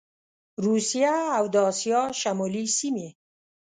روسیه او د اسیا شمالي سیمي